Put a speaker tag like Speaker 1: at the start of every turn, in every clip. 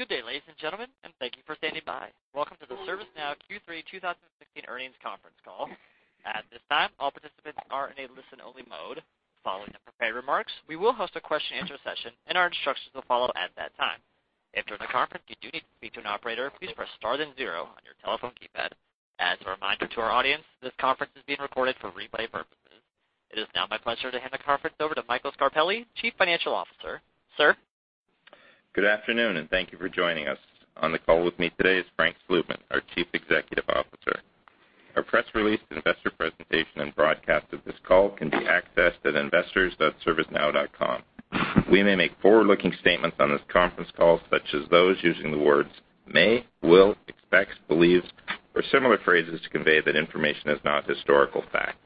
Speaker 1: Good day, ladies and gentlemen, thank you for standing by. Welcome to the ServiceNow Q3 2016 earnings conference call. At this time, all participants are in a listen-only mode. Following the prepared remarks, we will host a question answer session. Our instructions will follow at that time. If, during the conference, you do need to speak to an operator, please press star then zero on your telephone keypad. As a reminder to our audience, this conference is being recorded for replay purposes. It is now my pleasure to hand the conference over to Michael Scarpelli, Chief Financial Officer. Sir?
Speaker 2: Good afternoon, thank you for joining us. On the call with me today is Frank Slootman, our Chief Executive Officer. Our press release, investor presentation, and broadcast of this call can be accessed at investors.servicenow.com. We may make forward-looking statements on this conference call, such as those using the words may, will, expects, believes, or similar phrases to convey that information is not historical fact.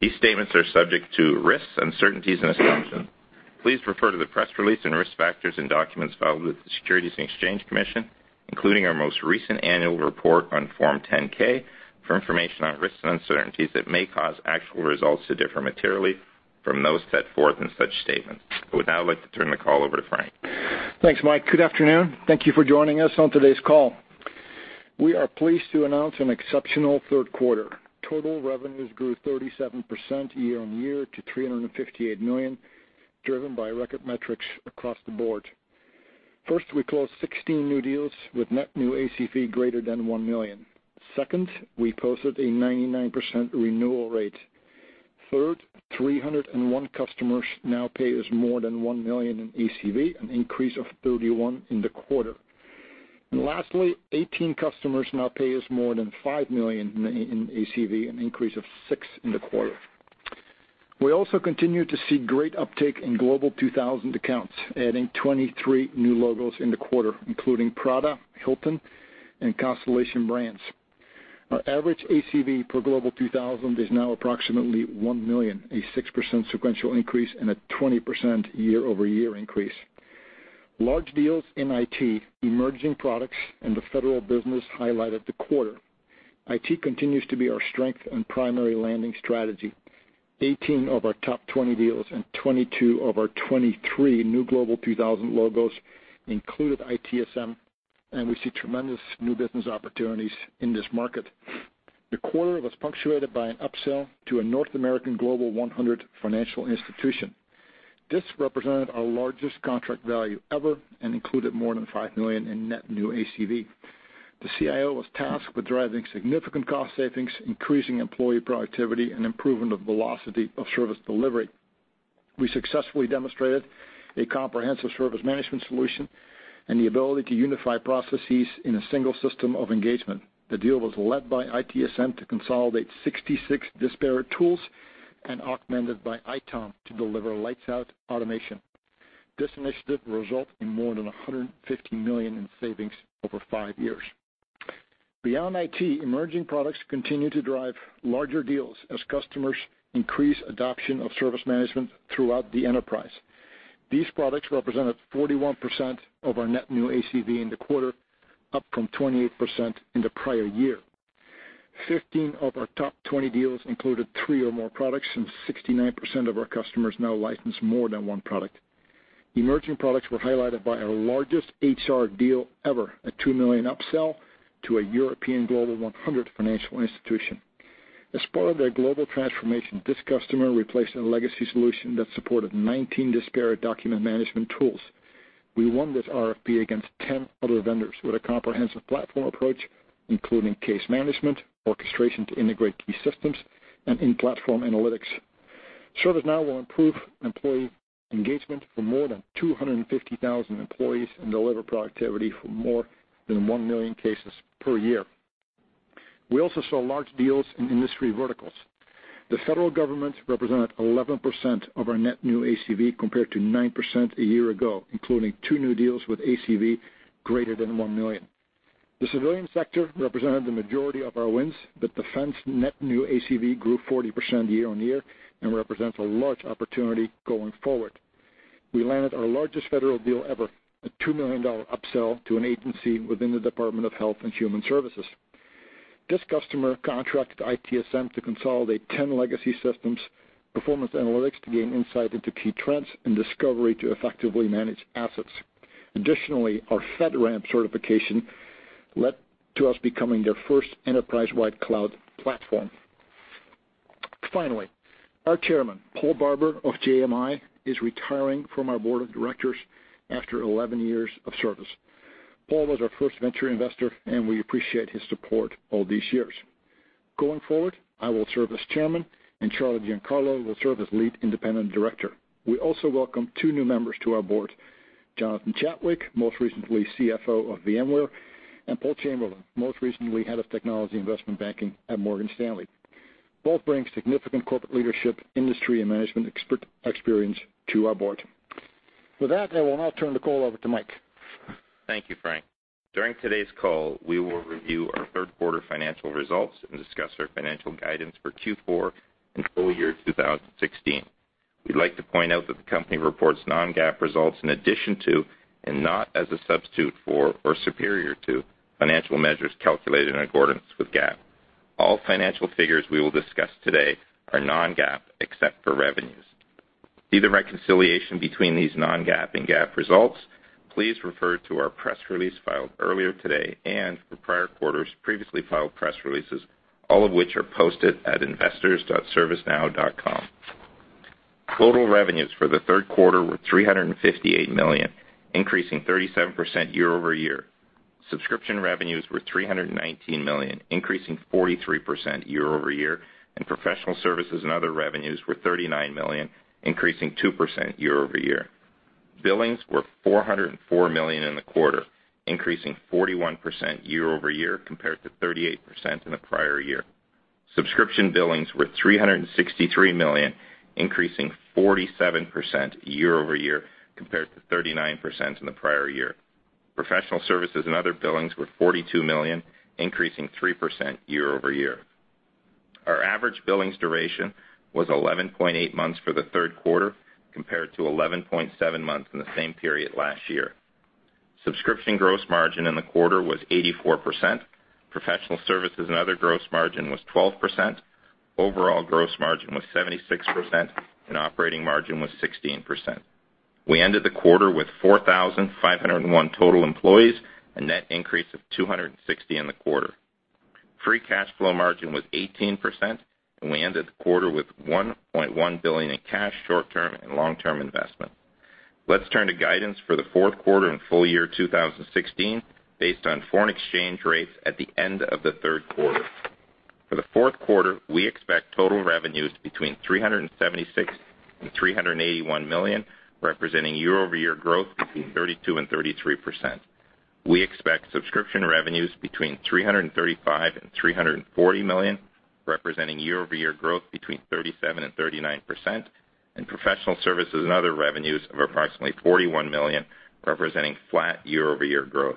Speaker 2: These statements are subject to risks, uncertainties and assumptions. Please refer to the press release and risk factors and documents filed with the Securities and Exchange Commission, including our most recent annual report on Form 10-K, for information on risks and uncertainties that may cause actual results to differ materially from those set forth in such statements. I would now like to turn the call over to Frank.
Speaker 3: Thanks, Mike. Good afternoon. Thank you for joining us on today's call. We are pleased to announce an exceptional third quarter. Total revenues grew 37% year-on-year to $358 million, driven by record metrics across the board. First, we closed 16 new deals with net new ACV greater than $1 million. Second, we posted a 99% renewal rate. Third, 301 customers now pay us more than $1 million in ACV, an increase of 31 in the quarter. Lastly, 18 customers now pay us more than $5 million in ACV, an increase of six in the quarter. We also continue to see great uptake in Global 2000 accounts, adding 23 new logos in the quarter, including Prada, Hilton, and Constellation Brands. Our average ACV per Global 2000 is now approximately $1 million, a 6% sequential increase and a 20% year-over-year increase. Large deals in IT, emerging products, the federal business highlighted the quarter. IT continues to be our strength and primary landing strategy. 18 of our top 20 deals and 22 of our 23 new Global 2000 logos included ITSM. We see tremendous new business opportunities in this market. The quarter was punctuated by an upsell to a North American Global 100 financial institution. This represented our largest contract value ever. Included more than $5 million in net new ACV. The CIO was tasked with driving significant cost savings, increasing employee productivity, improving the velocity of service delivery. We successfully demonstrated a comprehensive service management solution. The ability to unify processes in a single system of engagement. The deal was led by ITSM to consolidate 66 disparate tools. Augmented by ITOM to deliver lights out automation. This initiative will result in more than $150 million in savings over five years. Beyond IT, emerging products continue to drive larger deals as customers increase adoption of service management throughout the enterprise. These products represented 41% of our net new ACV in the quarter, up from 28% in the prior year. 15 of our top 20 deals included three or more products, and 69% of our customers now license more than one product. Emerging products were highlighted by our largest HR deal ever, a $2 million upsell to a European Global 100 financial institution. As part of their global transformation, this customer replaced a legacy solution that supported 19 disparate document management tools. We won this RFP against 10 other vendors with a comprehensive platform approach, including case management, orchestration to integrate key systems, and in-platform analytics. ServiceNow will improve employee engagement for more than 250,000 employees and deliver productivity for more than 1 million cases per year. We also saw large deals in industry verticals. The federal government represented 11% of our net new ACV compared to 9% a year ago, including two new deals with ACV greater than $1 million. The civilian sector represented the majority of our wins, but defense net new ACV grew 40% year-on-year and represents a large opportunity going forward. We landed our largest federal deal ever, a $2 million upsell to an agency within the Department of Health and Human Services. This customer contracted ITSM to consolidate 10 legacy systems, Performance Analytics to gain insight into key trends, and Discovery to effectively manage assets. Additionally, our FedRAMP certification led to us becoming their first enterprise-wide cloud platform. Finally, our Chairman, Paul Barber of JMI, is retiring from our board of directors after 11 years of service. Paul was our first venture investor, and we appreciate his support all these years. Going forward, I will serve as Chairman, and Charlie Giancarlo will serve as Lead Independent Director. We also welcome two new members to our board, Jonathan Chadwick, most recently CFO of VMware, and Paul Chamberlain, most recently head of technology investment banking at Morgan Stanley. Both bring significant corporate leadership, industry, and management experience to our board. With that, I will now turn the call over to Mike.
Speaker 2: Thank you, Frank. During today's call, we will review our third quarter financial results and discuss our financial guidance for Q4 and full year 2016. We'd like to point out that the company reports non-GAAP results in addition to, and not as a substitute for or superior to, financial measures calculated in accordance with GAAP. All financial figures we will discuss today are non-GAAP, except for revenues. To see the reconciliation between these non-GAAP and GAAP results, please refer to our press release filed earlier today and for prior quarters previously filed press releases, all of which are posted at investors.servicenow.com. Total revenues for the third quarter were $358 million, increasing 37% year-over-year. Subscription revenues were $319 million, increasing 43% year-over-year, and professional services and other revenues were $39 million, increasing 2% year-over-year. Billings were $404 million in the quarter, increasing 41% year-over-year, compared to 38% in the prior year. Subscription billings were $363 million, increasing 47% year-over-year, compared to 39% in the prior year. Professional services and other billings were $42 million, increasing 3% year-over-year. Our average billings duration was 11.8 months for the third quarter, compared to 11.7 months in the same period last year. Subscription gross margin in the quarter was 84%, professional services and other gross margin was 12%, overall gross margin was 76%, and operating margin was 16%. We ended the quarter with 4,501 total employees, a net increase of 260 in the quarter. Free cash flow margin was 18%, and we ended the quarter with $1.1 billion in cash, short-term, and long-term investment. Let's turn to guidance for the fourth quarter and full year 2016, based on foreign exchange rates at the end of the third quarter. For the fourth quarter, we expect total revenues between $376 million and $381 million, representing year-over-year growth between 32% and 33%. We expect subscription revenues between $335 million and $340 million, representing year-over-year growth between 37% and 39%, and professional services and other revenues of approximately $41 million, representing flat year-over-year growth.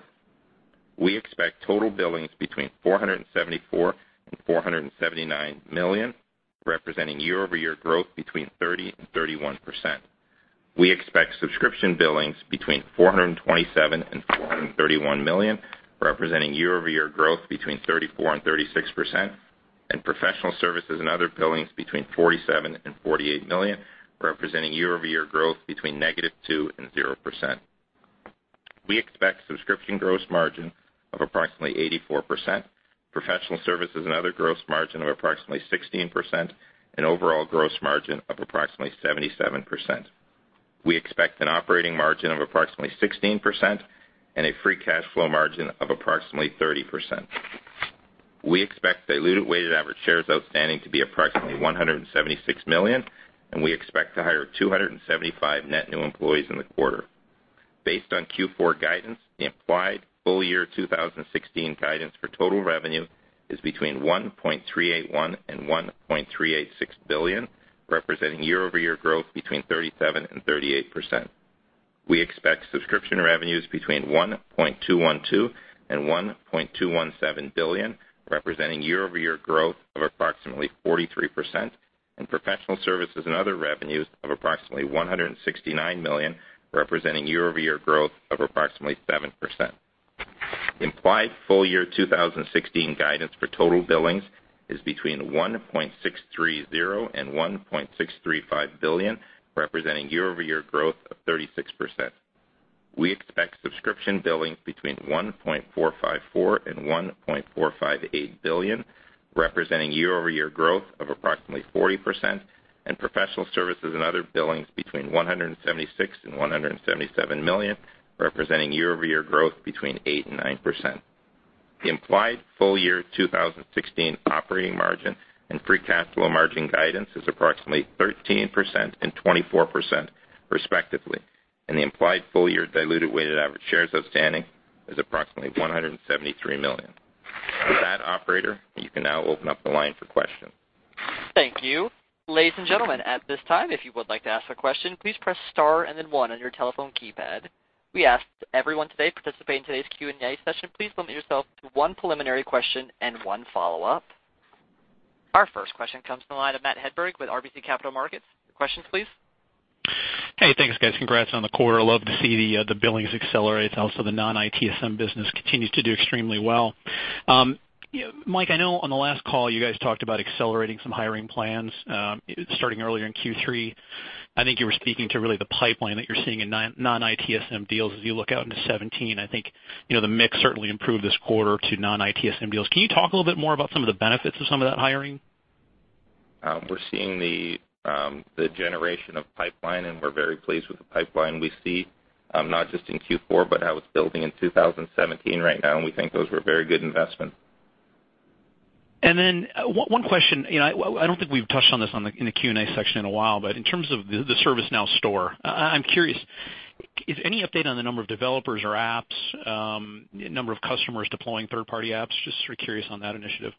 Speaker 2: We expect total billings between $474 million and $479 million, representing year-over-year growth between 30% and 31%. We expect subscription billings between $427 million and $431 million, representing year-over-year growth between 34% and 36%, and professional services and other billings between $47 million and $48 million, representing year-over-year growth between -2% and 0%. We expect subscription gross margin of approximately 84%, professional services and other gross margin of approximately 16%, and overall gross margin of approximately 77%. We expect an operating margin of approximately 16% and a free cash flow margin of approximately 30%. We expect diluted weighted average shares outstanding to be approximately 176 million, and we expect to hire 275 net new employees in the quarter. Based on Q4 guidance, the implied full year 2016 guidance for total revenue is between $1.381 billion and $1.386 billion, representing year-over-year growth between 37% and 38%. We expect subscription revenues between $1.212 billion and $1.217 billion, representing year-over-year growth of approximately 43%, and professional services and other revenues of approximately $169 million, representing year-over-year growth of approximately 7%. Implied full year 2016 guidance for total billings is between $1.630 billion and $1.635 billion, representing year-over-year growth of 36%. We expect subscription billings between $1.454 billion and $1.458 billion, representing year-over-year growth of approximately 40%, and professional services and other billings between $176 million and $177 million, representing year-over-year growth between 8% and 9%. The implied full year 2016 operating margin and free cash flow margin guidance is approximately 13% and 24% respectively, and the implied full year diluted weighted average shares outstanding is approximately 173 million. With that, operator, you can now open up the line for questions.
Speaker 1: Thank you. Ladies and gentlemen, at this time, if you would like to ask a question, please press star and then one on your telephone keypad. We ask everyone today participating in today's Q&A session, please limit yourself to one preliminary question and one follow-up. Our first question comes from the line of Matt Hedberg with RBC Capital Markets. Questions, please.
Speaker 4: Hey, thanks, guys. Congrats on the quarter. Love to see the billings accelerate. Also, the non-ITSM business continues to do extremely well. Mike, I know on the last call you guys talked about accelerating some hiring plans starting earlier in Q3. I think you were speaking to really the pipeline that you're seeing in non-ITSM deals as you look out into 2017. I think the mix certainly improved this quarter to non-ITSM deals. Can you talk a little bit more about some of the benefits of some of that hiring?
Speaker 2: We're seeing the generation of pipeline, and we're very pleased with the pipeline we see, not just in Q4, but how it's building in 2017 right now, we think those were very good investments.
Speaker 4: One question. I don't think we've touched on this in the Q&A section in a while, but in terms of the ServiceNow Store, I'm curious, any update on the number of developers or apps, number of customers deploying third-party apps? Just curious on that initiative.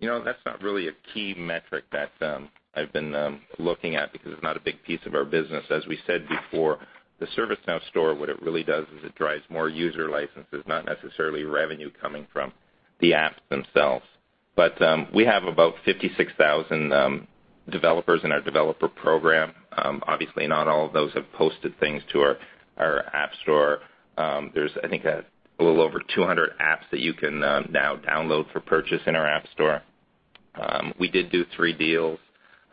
Speaker 2: That's not really a key metric that I've been looking at because it's not a big piece of our business. As we said before, the ServiceNow Store, what it really does is it drives more user licenses, not necessarily revenue coming from the apps themselves. We have about 56,000 developers in our developer program. Obviously, not all of those have posted things to our app store. There's, I think, a little over 200 apps that you can now download for purchase in our app store. We did do three deals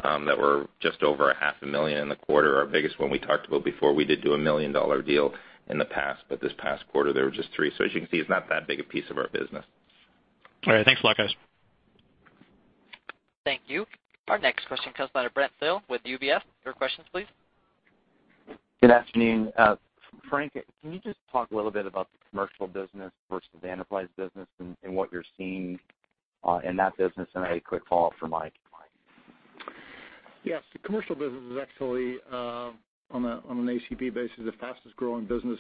Speaker 2: that were just over a half a million dollars in the quarter. Our biggest one we talked about before, we did do a million-dollar deal in the past. This past quarter, there were just three. As you can see, it's not that big a piece of our business.
Speaker 4: All right. Thanks a lot, guys.
Speaker 1: Thank you. Our next question comes by to Brent Thill with UBS. Your questions, please.
Speaker 5: Good afternoon. Frank, can you just talk a little bit about the commercial business versus the enterprise business and what you're seeing in that business? A quick follow-up for Mike.
Speaker 3: Yes. The commercial business is actually, on an ACV basis, the fastest growing business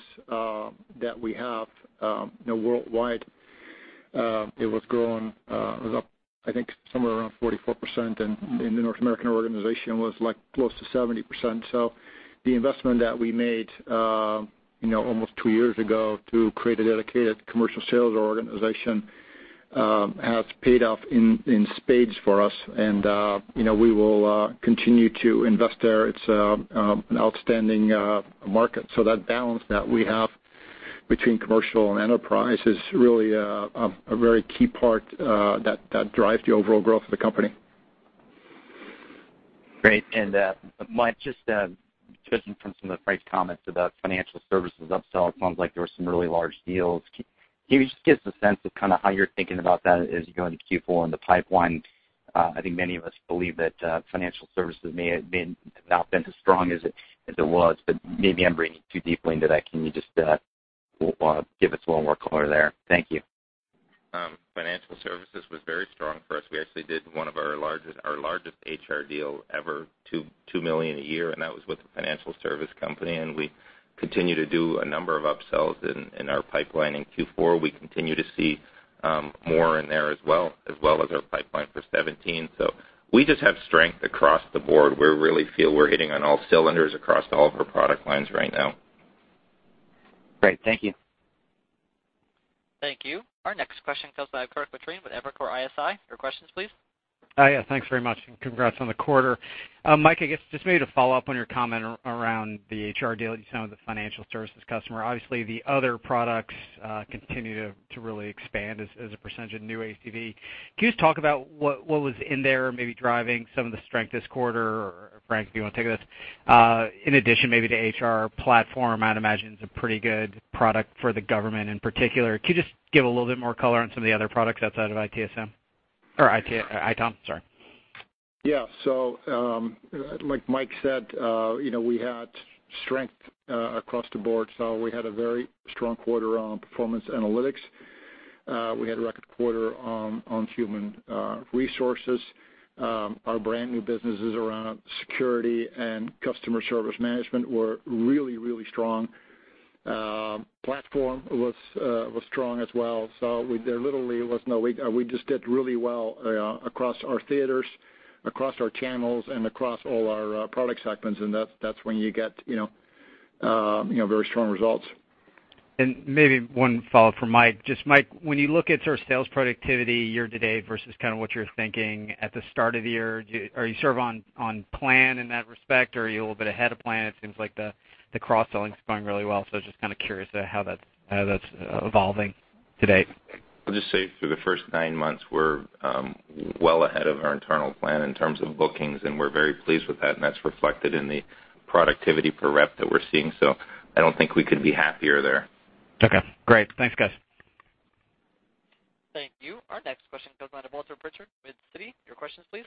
Speaker 3: that we have worldwide. It was growing. It was up, I think, somewhere around 44%, and in the North American organization was close to 70%. The investment that we made almost two years ago to create a dedicated commercial sales organization has paid off in spades for us, and we will continue to invest there. It's an outstanding market. That balance that we have between commercial and enterprise is really a very key part that drives the overall growth of the company.
Speaker 5: Great. Mike, just judging from some of Frank's comments about financial services upsell, it sounds like there were some really large deals. Can you just give us a sense of how you're thinking about that as you go into Q4 and the pipeline? I think many of us believe that financial services may have not been as strong as it was, but maybe I'm reading too deeply into that. Can you just give us a little more color there? Thank you.
Speaker 2: Financial services was very strong for us. We actually did one of our largest HR deal ever, $2 million a year, and that was with a financial service company, and we continue to do a number of upsells in our pipeline in Q4. We continue to see more in there as well as our pipeline for 2017. We just have strength across the board. We really feel we're hitting on all cylinders across all of our product lines right now.
Speaker 5: Great. Thank you.
Speaker 1: Thank you. Our next question comes by Kirk Materne with Evercore ISI. Your questions, please.
Speaker 6: Yeah, thanks very much. Congrats on the quarter. Mike, I guess just maybe to follow up on your comment around the HR deal you signed with the financial services customer. Obviously, the other products continue to really expand as a percentage of new ACV. Can you just talk about what was in there maybe driving some of the strength this quarter, or Frank, if you want to take this, in addition maybe to HR platform, I'd imagine it's a pretty good product for the government in particular. Could you just give a little bit more color on some of the other products outside of ITSM? ITOM, sorry.
Speaker 3: Yeah. Like Mike said, we had strength across the board. We had a very strong quarter on Performance Analytics. We had a record quarter on Human Resources. Our brand new businesses around security and Customer Service Management were really, really strong. Platform was strong as well. We just did really well across our theaters, across our channels across all our product segments. That's when you get very strong results.
Speaker 6: Maybe one follow-up for Mike. Just Mike, when you look at sort of sales productivity year-to-date versus kind of what you were thinking at the start of the year, are you sort of on plan in that respect, or are you a little bit ahead of plan? It seems like the cross-selling's going really well. Just kind of curious how that's evolving to date.
Speaker 2: I'll just say through the first nine months, we're well ahead of our internal plan in terms of bookings, and we're very pleased with that, and that's reflected in the productivity per rep that we're seeing. I don't think we could be happier there.
Speaker 6: Okay, great. Thanks, guys.
Speaker 1: Thank you. Our next question comes by to Walter Pritchard with Citi. Your questions, please.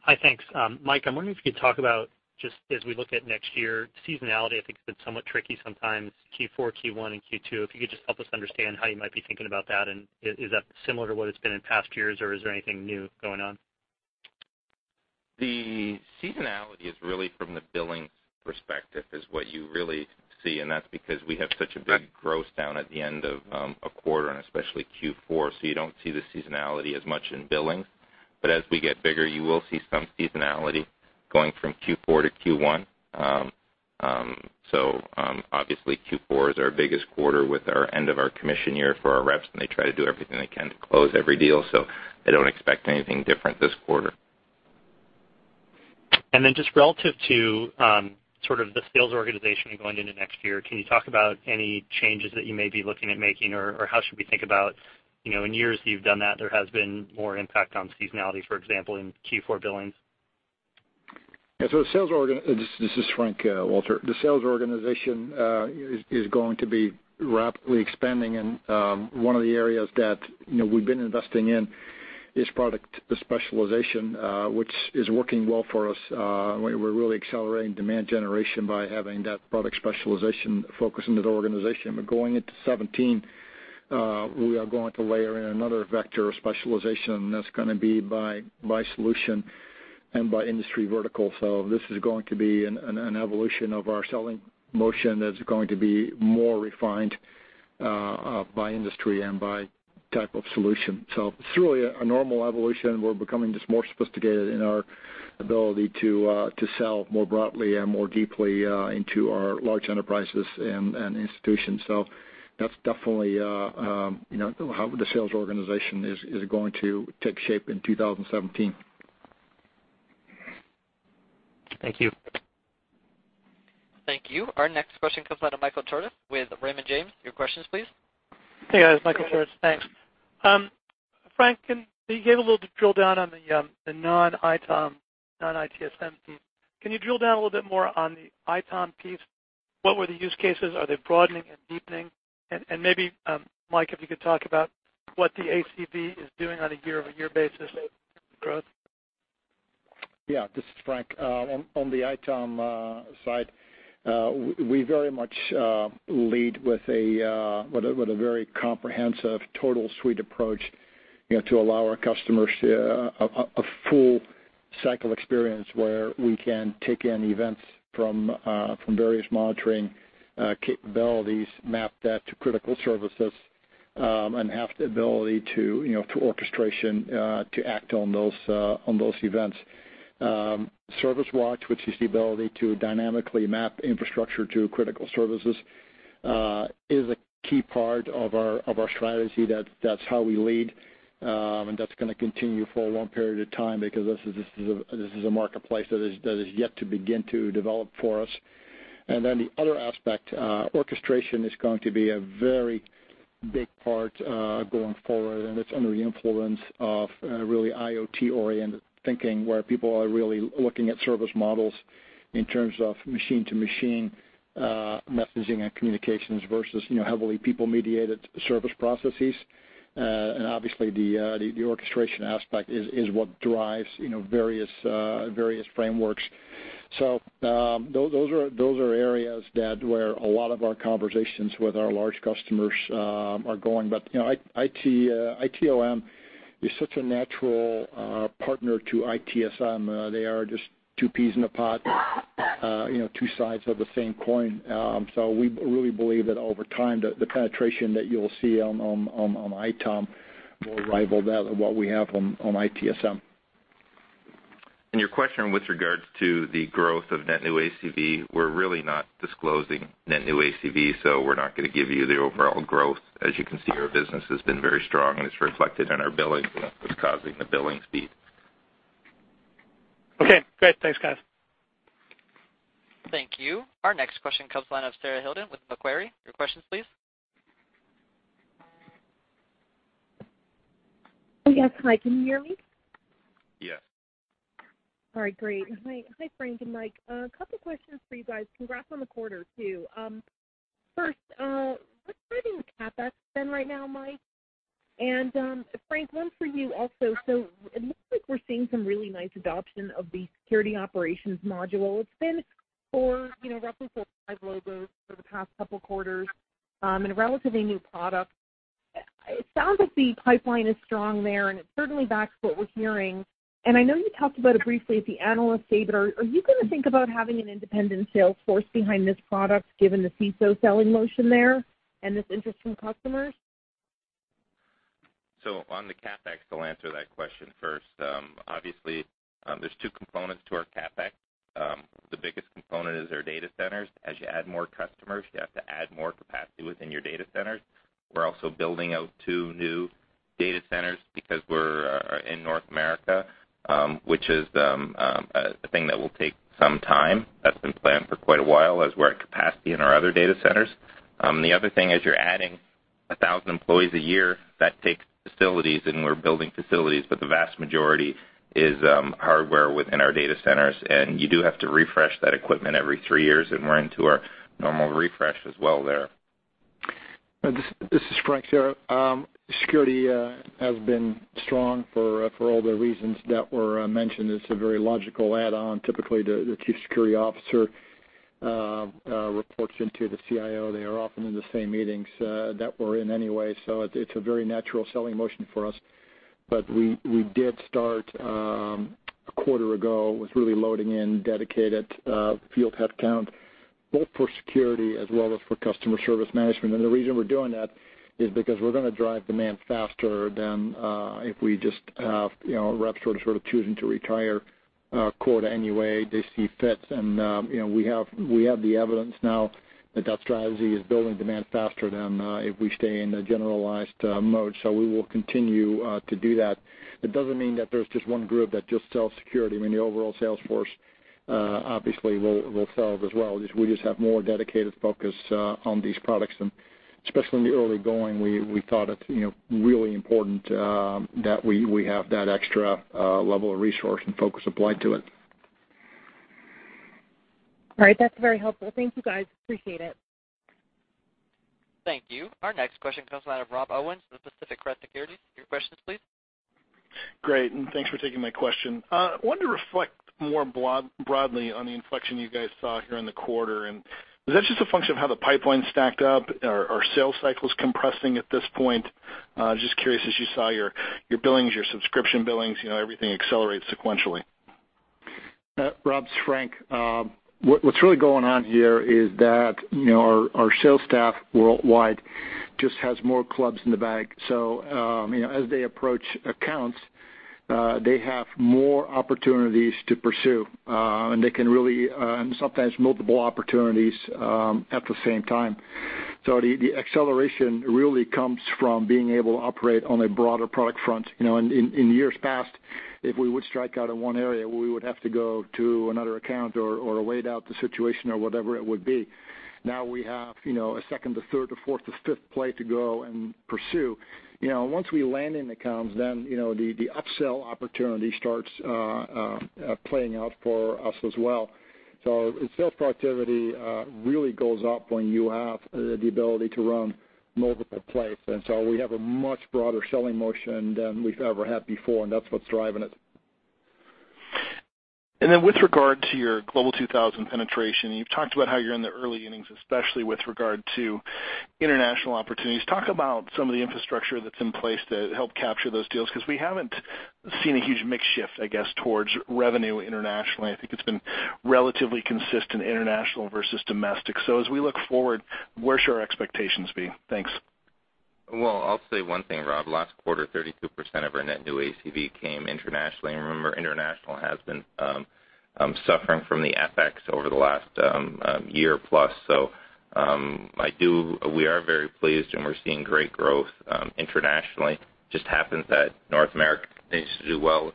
Speaker 7: Hi, thanks. Mike, I'm wondering if you could talk about just as we look at next year, seasonality, I think has been somewhat tricky sometimes, Q4, Q1, and Q2. If you could just help us understand how you might be thinking about that, and is that similar to what it's been in past years, or is there anything new going on?
Speaker 2: The seasonality is really from the billing perspective is what you really see, that's because we have such a big gross down at the end of a quarter and especially Q4. You don't see the seasonality as much in billings. As we get bigger, you will see some seasonality going from Q4 to Q1. Obviously Q4 is our biggest quarter with our end of our commission year for our reps, and they try to do everything they can to close every deal. I don't expect anything different this quarter.
Speaker 7: Just relative to sort of the sales organization going into next year, can you talk about any changes that you may be looking at making, or how should we think about in years that you've done that, there has been more impact on seasonality, for example, in Q4 billings?
Speaker 3: This is Frank, Walter. The sales organization is going to be rapidly expanding, one of the areas that we've been investing in is product specialization, which is working well for us. We're really accelerating demand generation by having that product specialization focus into the organization. Going into 2017, we are going to layer in another vector of specialization, that's going to be by solution and by industry vertical. This is going to be an evolution of our selling motion that's going to be more refined by industry and by type of solution. It's really a normal evolution. We're becoming just more sophisticated in our ability to sell more broadly and more deeply into our large enterprises and institutions. That's definitely how the sales organization is going to take shape in 2017.
Speaker 7: Thank you.
Speaker 1: Thank you. Our next question comes out of Michael Turits with Raymond James. Your questions, please.
Speaker 8: Hey, guys. Michael Turits. Thanks. Frank, you gave a little drill down on the non-ITOM, non-ITSM piece. Can you drill down a little bit more on the ITOM piece? What were the use cases? Are they broadening and deepening? Maybe, Mike, if you could talk about what the ACV is doing on a year-over-year basis growth.
Speaker 3: This is Frank. On the ITOM side, we very much lead with a very comprehensive total suite approach to allow our customers a full cycle experience where we can take in events from various monitoring capabilities, map that to critical services, and have the ability to orchestration to act on those events. ServiceWatch, which is the ability to dynamically map infrastructure to critical services, is a key part of our strategy. That's how we lead. That's going to continue for a long period of time because this is a marketplace that is yet to begin to develop for us. Then the other aspect, orchestration is going to be a very big part going forward, and it's under the influence of really IoT-oriented thinking, where people are really looking at service models in terms of machine-to-machine messaging and communications versus heavily people-mediated service processes. Obviously, the orchestration aspect is what drives various frameworks. Those are areas where a lot of our conversations with our large customers are going. ITOM is such a natural partner to ITSM. They are just two peas in a pod, two sides of the same coin. We really believe that over time, the penetration that you'll see on ITOM will rival that of what we have on ITSM.
Speaker 2: Your question with regards to the growth of net new ACV, we're really not disclosing net new ACV, we're not going to give you the overall growth. Our business has been very strong, and it's reflected in our billings. It's causing the billings to be
Speaker 8: Okay, great. Thanks, guys.
Speaker 1: Thank you. Our next question comes the line of Sarah Hindlian with Macquarie. Your questions, please.
Speaker 9: Yes. Hi, can you hear me?
Speaker 2: Yes.
Speaker 9: All right, great. Hi, Frank and Mike. A couple questions for you guys. Congrats on the quarter, too. First, what's driving CapEx then right now, Mike? Frank, one for you also. It looks like we're seeing some really nice adoption of the Security Operations module. It's been roughly four to five logos for the past couple quarters, and a relatively new product. It sounds like the pipeline is strong there, and it certainly backs what we're hearing, and I know you talked about it briefly at the analyst day, but are you going to think about having an independent sales force behind this product given the CISO selling motion there and this interest from customers?
Speaker 2: On the CapEx, I'll answer that question first. Obviously, there's two components to our CapEx. The biggest component is our data centers. As you add more customers, you have to add more capacity within your data centers. We're also building out two new data centers because we're in North America, which is a thing that will take some time. That's been planned for quite a while as we're at capacity in our other data centers. The other thing is you're adding 1,000 employees a year. That takes facilities, and we're building facilities, but the vast majority is hardware within our data centers, and you do have to refresh that equipment every three years, and we're into our normal refresh as well there.
Speaker 3: This is Frank, Sarah. Security has been strong for all the reasons that were mentioned. It's a very logical add-on. Typically, the chief security officer reports into the CIO. They are often in the same meetings that we're in anyway. It's a very natural selling motion for us. We did start a quarter ago with really loading in dedicated field headcount, both for Security as well as for Customer Service Management. The reason we're doing that is because we're going to drive demand faster than if we just have reps sort of choosing to retire quota any way they see fit. We have the evidence now that strategy is building demand faster than if we stay in a generalized mode. We will continue to do that. That doesn't mean that there's just one group that just sells Security. I mean, the overall sales force obviously will sell as well. We just have more dedicated focus on these products, and especially in the early going, we thought it really important that we have that extra level of resource and focus applied to it.
Speaker 9: All right. That's very helpful. Thank you, guys. Appreciate it.
Speaker 1: Thank you. Our next question comes the line of Rob Owens with Pacific Crest Securities. Your questions, please.
Speaker 10: Great. Thanks for taking my question. I wanted to reflect more broadly on the inflection you guys saw here in the quarter. Was that just a function of how the pipeline stacked up? Are sales cycles compressing at this point? Just curious, as you saw your billings, your subscription billings, everything accelerate sequentially.
Speaker 3: Rob, it's Frank. What's really going on here is that our sales staff worldwide just has more clubs in the bag. As they approach accounts, they have more opportunities to pursue, sometimes multiple opportunities at the same time. The acceleration really comes from being able to operate on a broader product front. In years past, if we would strike out in one area, we would have to go to another account or wait out the situation or whatever it would be. Now we have a second to third to fourth to fifth play to go and pursue. Once we land in accounts, the upsell opportunity starts playing out for us as well. Sales productivity really goes up when you have the ability to run multiple plays. We have a much broader selling motion than we've ever had before, and that's what's driving it.
Speaker 10: With regard to your Global 2000 penetration, you've talked about how you're in the early innings, especially with regard to international opportunities. Talk about some of the infrastructure that's in place to help capture those deals. We haven't seen a huge mix shift, I guess, towards revenue internationally. I think it's been relatively consistent international versus domestic. As we look forward, where should our expectations be? Thanks.
Speaker 2: Well, I'll say one thing, Rob. Last quarter, 32% of our net new ACV came internationally, and remember, international has been suffering from the FX over the last year plus. We are very pleased, and we're seeing great growth internationally. Just happens that North America continues to do well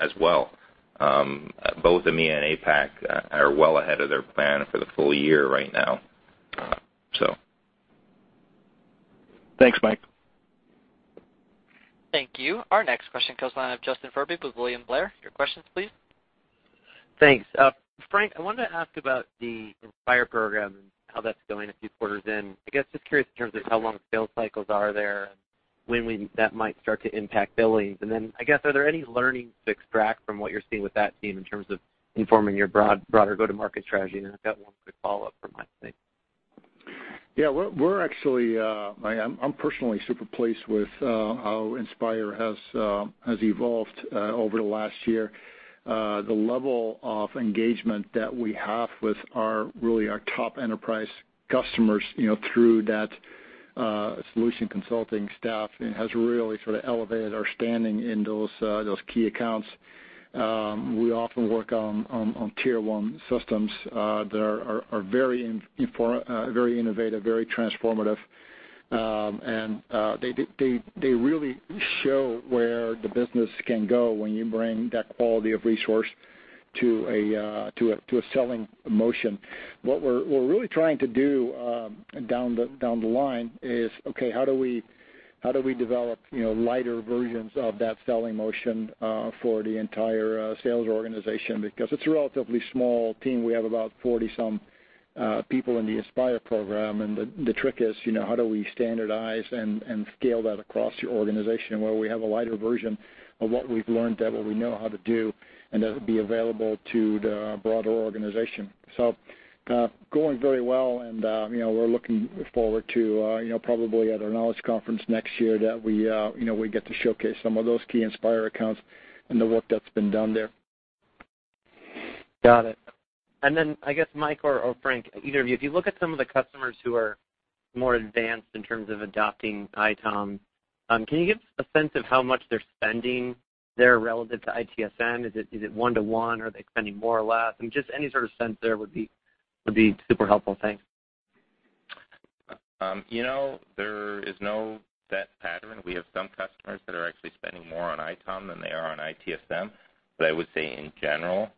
Speaker 2: as well. Both EMEA and APAC are well ahead of their plan for the full year right now.
Speaker 10: Thanks, Mike.
Speaker 1: Thank you. Our next question comes line of Justin Furby with William Blair. Your questions, please.
Speaker 11: Thanks. Frank, I wanted to ask about the Inspire program and how that's going a few quarters in. I guess, just curious in terms of how long the sales cycles are there and when that might start to impact billings. Then, I guess, are there any learnings to extract from what you're seeing with that team in terms of informing your broader go-to-market strategy? Then I've got one quick follow-up for Mike, I think.
Speaker 3: Yeah, I'm personally super pleased with how Inspire has evolved over the last year. The level of engagement that we have with really our top enterprise customers through that solution consulting staff has really sort of elevated our standing in those key accounts. We often work on tier 1 systems that are very innovative, very transformative. They really show where the business can go when you bring that quality of resource to a selling motion. What we're really trying to do down the line is, okay, how do we develop lighter versions of that selling motion for the entire sales organization? Because it's a relatively small team. We have about 40-some people in the Inspire program, and the trick is how do we standardize and scale that across your organization where we have a lighter version of what we've learned that we know how to do, and that would be available to the broader organization. Going very well, and we're looking forward to probably at our Knowledge Conference next year that we get to showcase some of those key Inspire accounts and the work that's been done there.
Speaker 11: Got it. I guess, Mike or Frank, either of you, if you look at some of the customers who are more advanced in terms of adopting ITOM, can you give a sense of how much they're spending there relative to ITSM? Is it one to one? Are they spending more or less? Just any sort of sense there would be super helpful. Thanks.
Speaker 2: There is no set pattern. We have some customers that are actually spending more on ITOM than they are on ITSM. I would say in general,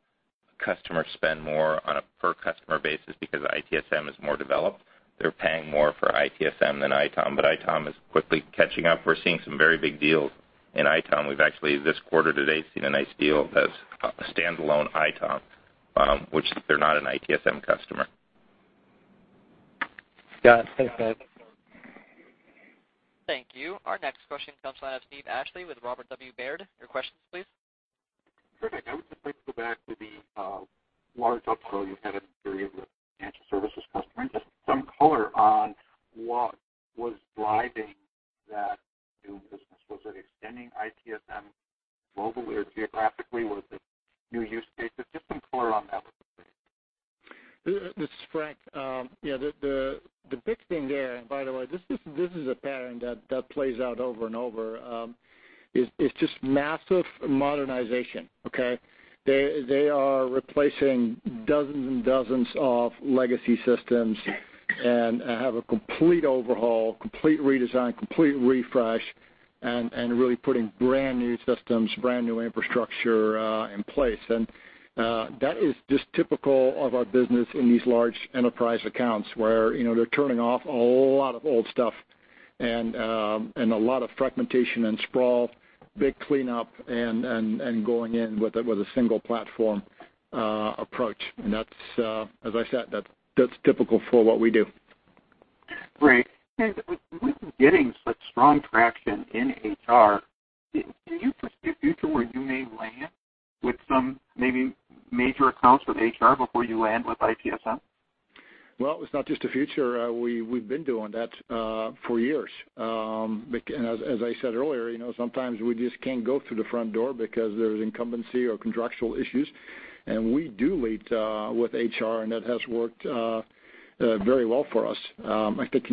Speaker 2: customers spend more on a per-customer basis because ITSM is more developed. They're paying more for ITSM than ITOM, but ITOM is quickly catching up. We're seeing some very big deals in ITOM. We've actually, this quarter to date, seen a nice deal that's a standalone ITOM, which they're not an ITSM customer.
Speaker 11: Got it. Thanks, Mike.
Speaker 1: Thank you. Our next question comes from Steve Ashley with Robert W. Baird. Your questions, please.
Speaker 12: Perfect. I would just like to go back to the large upsell you had in the period with financial services customer. Just some color on what was driving that new business. Was it extending ITSM globally or geographically? Was it new use cases? Just some color on that, would you please?
Speaker 3: This is Frank. The big thing there, and by the way, this is a pattern that plays out over and over, is just massive modernization, okay? They are replacing dozens and dozens of legacy systems and have a complete overhaul, complete redesign, complete refresh, and really putting brand-new systems, brand-new infrastructure in place. That is just typical of our business in these large enterprise accounts, where they're turning off a lot of old stuff and a lot of fragmentation and sprawl, big cleanup, and going in with a single platform approach. As I said, that's typical for what we do.
Speaker 12: Great. With getting such strong traction in HR, can you pursue a future where you may land with some maybe major accounts with HR before you land with ITSM?
Speaker 3: Well, it's not just the future. We've been doing that for years. As I said earlier, sometimes we just can't go through the front door because there's incumbency or contractual issues, and we do lead with HR, and that has worked very well for us. I think,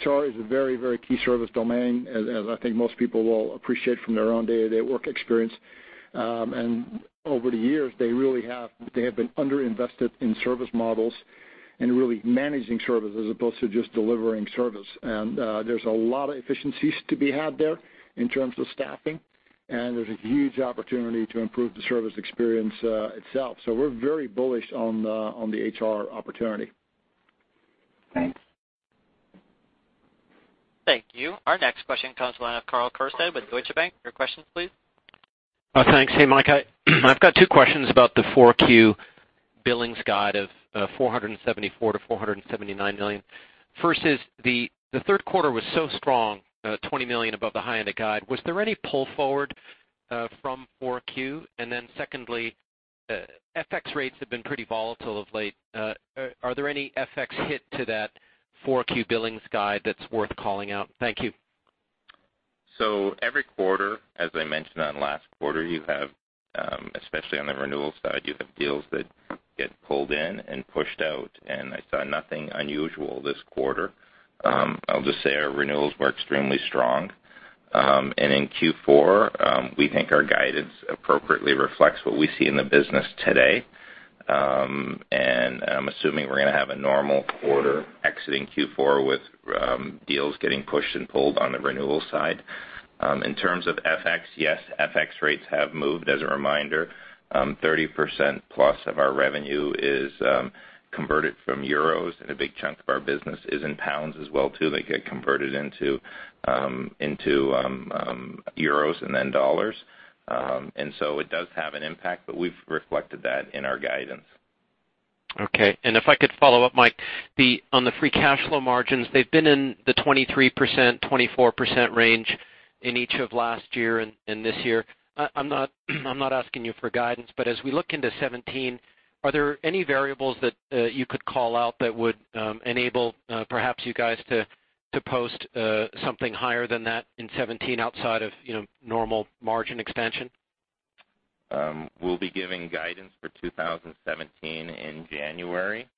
Speaker 3: HR is a very key service domain, as I think most people will appreciate from their own day-to-day work experience. Over the years, they have been under-invested in service models and really managing service as opposed to just delivering service. There's a lot of efficiencies to be had there in terms of staffing, and there's a huge opportunity to improve the service experience itself. We're very bullish on the HR opportunity.
Speaker 12: Thanks.
Speaker 1: Thank you. Our next question comes from the line of Karl Keirstead with Deutsche Bank. Your questions, please.
Speaker 13: Thanks. Hey, Mike, I've got two questions about the Q4 billings guide of $474 million-$479 million. First is, the third quarter was so strong, $20 million above the high end of guide. Was there any pull forward from Q4? Secondly, FX rates have been pretty volatile of late. Are there any FX hit to that Q4 billings guide that's worth calling out? Thank you.
Speaker 2: Every quarter, as I mentioned on last quarter, especially on the renewal side, you have deals that get pulled in and pushed out, I saw nothing unusual this quarter. I'll just say our renewals were extremely strong. In Q4, we think our guidance appropriately reflects what we see in the business today. I'm assuming we're going to have a normal quarter exiting Q4 with deals getting pushed and pulled on the renewal side. In terms of FX, yes, FX rates have moved. As a reminder, 30%+ of our revenue is converted from euros, and a big chunk of our business is in pounds as well, too. They get converted into euros and then dollars. It does have an impact, but we've reflected that in our guidance.
Speaker 13: Okay. If I could follow up, Mike, on the free cash flow margins, they've been in the 23%-24% range in each of last year and this year. I'm not asking you for guidance, but as we look into 2017, are there any variables that you could call out that would enable perhaps you guys to post something higher than that in 2017 outside of normal margin expansion?
Speaker 2: We'll be giving guidance for 2017 in January.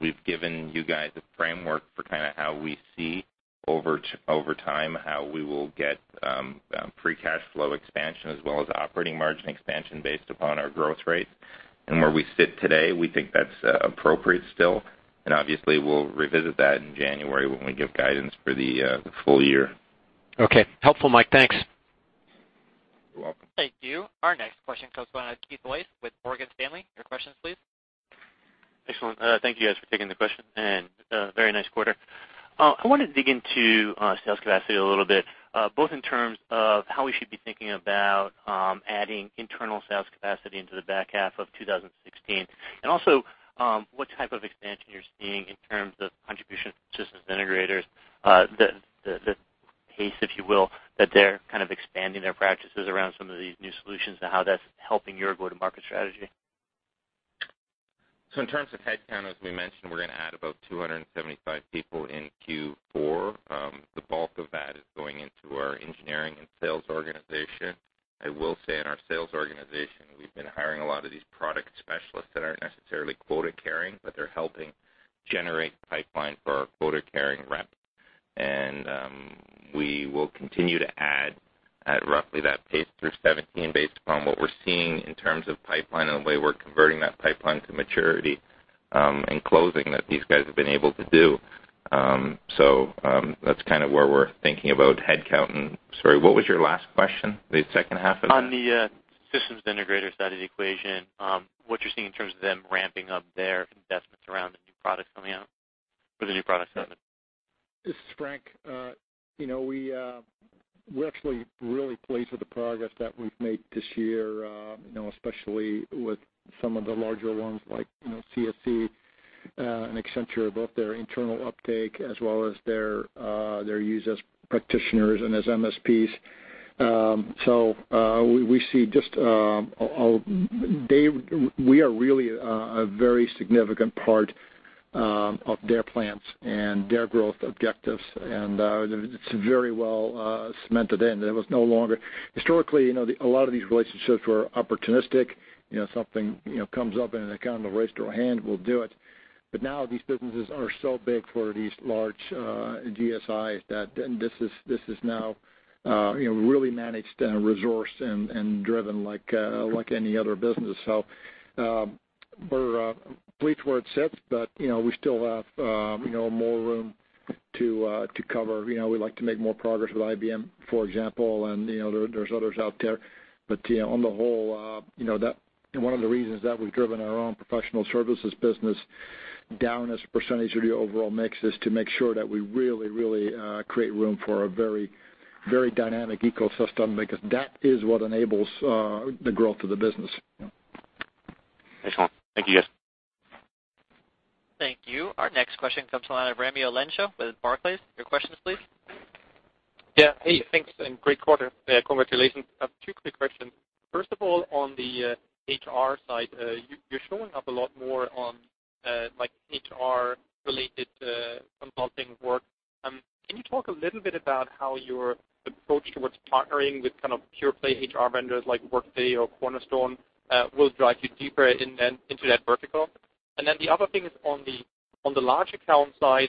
Speaker 2: We've given you guys a framework for how we see over time how we will get free cash flow expansion as well as operating margin expansion based upon our growth rates. Where we sit today, we think that's appropriate still. Obviously, we'll revisit that in January when we give guidance for the full year.
Speaker 13: Okay. Helpful, Mike. Thanks.
Speaker 2: You're welcome.
Speaker 1: Thank you. Our next question comes from Keith Weiss with Morgan Stanley. Your questions, please.
Speaker 14: Excellent. Thank you guys for taking the question. Very nice quarter. I wanted to dig into sales capacity a little bit, both in terms of how we should be thinking about adding internal sales capacity into the back half of 2016, and also what type of expansion you're seeing in terms of contribution from systems integrators, the pace, if you will, that they're expanding their practices around some of these new solutions and how that's helping your go-to-market strategy.
Speaker 2: In terms of headcount, as we mentioned, we're going to add about 275 people in Q4. The bulk of that is going into our engineering and sales organization. I will say in our sales organization, we've been hiring a lot of these product specialists that aren't necessarily quota-carrying, but they're helping generate pipeline for our quota-carrying reps. We will continue to add at roughly that pace through 2017 based upon what we're seeing in terms of pipeline and the way we're converting that pipeline to maturity, and closing that these guys have been able to do. That's where we're thinking about headcount and Sorry, what was your last question? The second half of that?
Speaker 14: On the systems integrator side of the equation, what you're seeing in terms of them ramping up their investments around the new products coming out or the new products announcement.
Speaker 3: This is Frank. We're actually really pleased with the progress that we've made this year, especially with some of the larger ones like CSC and Accenture, both their internal uptake as well as their use as practitioners and as MSPs. We are really a very significant part of their plans and their growth objectives, and it's very well cemented in. Historically, a lot of these relationships were opportunistic. Something comes up in a kind of a raise your hand, we'll do it. Now these businesses are so big for these large GSIs that this is now really managed and resourced and driven like any other business. We're pleased where it sits, but we still have more room to cover. We like to make more progress with IBM, for example, and there's others out there. On the whole, one of the reasons that we've driven our own professional services business down as a % of the overall mix is to make sure that we really create room for a very dynamic ecosystem, because that is what enables the growth of the business.
Speaker 14: Excellent. Thank you guys.
Speaker 1: Thank you. Our next question comes from the line of Raimo Lenschow with Barclays. Your questions, please.
Speaker 15: Yeah. Hey, thanks, great quarter. Congratulations. I have two quick questions. First of all, on the HR side, you're showing up a lot more on HR-related consulting work. Can you talk a little bit about how your approach towards partnering with kind of pure play HR vendors like Workday or Cornerstone will drive you deeper into that vertical? The other thing is on the large account side,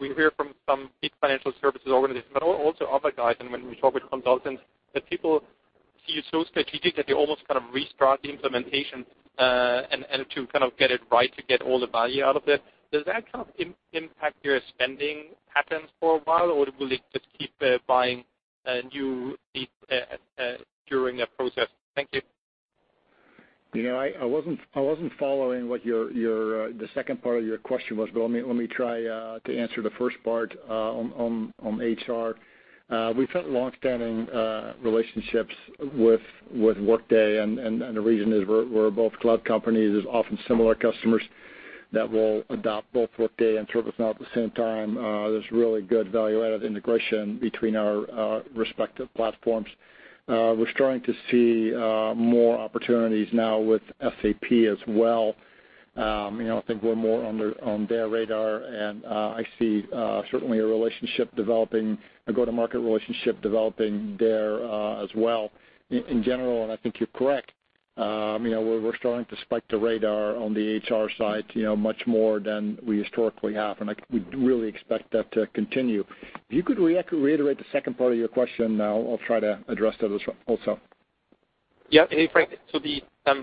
Speaker 15: we hear from some big financial services organizations, but also other guys, and when we talk with consultants, that people see you so strategic that they almost kind of restart the implementation and to kind of get it right to get all the value out of it. Does that kind of impact your spending patterns for a while, or will it just keep buying new things during that process? Thank you.
Speaker 3: I wasn't following what the second part of your question was, but let me try to answer the first part on HR. We've had longstanding relationships with Workday, and the reason is we're both cloud companies. There's often similar customers that will adopt both Workday and ServiceNow at the same time. There's really good value-added integration between our respective platforms. We're starting to see more opportunities now with SAP as well. I think we're more on their radar, and I see certainly a go-to-market relationship developing there as well. In general, and I think you're correct, we're starting to spike the radar on the HR side much more than we historically have, and we really expect that to continue. If you could reiterate the second part of your question now, I'll try to address that as well also.
Speaker 15: Yeah. Hey, Frank.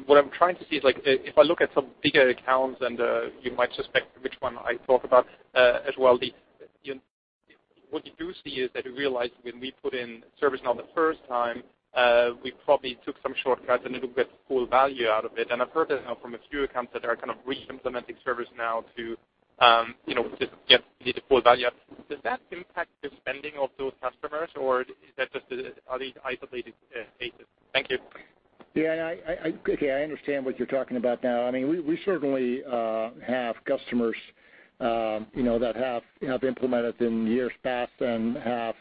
Speaker 15: What I'm trying to see is if I look at some bigger accounts, and you might suspect which one I talk about as well, what you do see is that you realize when we put in ServiceNow the first time, we probably took some shortcuts and didn't get the full value out of it. I've heard that now from a few accounts that are kind of re-implementing ServiceNow to just get the full value out. Does that impact the spending of those customers, or are these isolated cases? Thank you.
Speaker 3: Yeah. Okay, I understand what you're talking about now. We certainly have customers that have implemented in years past and have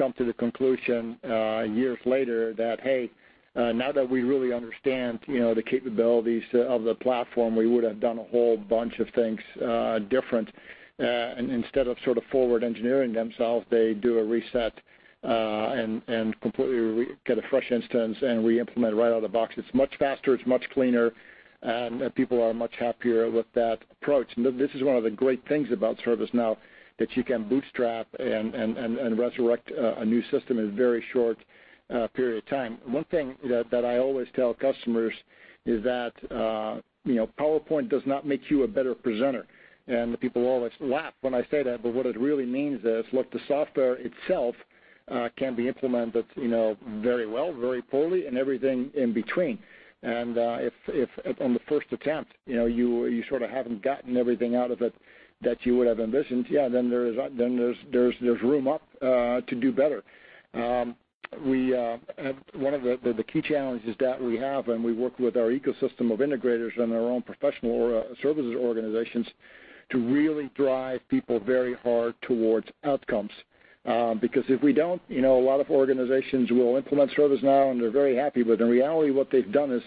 Speaker 3: come to the conclusion years later that, "Hey, now that we really understand the capabilities of the platform, we would have done a whole bunch of things different." Instead of sort of forward engineering themselves, they do a reset, and completely get a fresh instance and re-implement right out of the box. It's much faster, it's much cleaner, and people are much happier with that approach. This is one of the great things about ServiceNow, that you can bootstrap and resurrect a new system in a very short period of time. One thing that I always tell customers is that PowerPoint does not make you a better presenter. The people always laugh when I say that, but what it really means is, look, the software itself can be implemented very well, very poorly, and everything in between. If on the first attempt, you sort of haven't gotten everything out of it that you would have envisioned, yeah, then there's room up to do better. One of the key challenges that we have, and we work with our ecosystem of integrators and our own professional services organizations to really drive people very hard towards outcomes. If we don't, a lot of organizations will implement ServiceNow, and they're very happy, but in reality what they've done is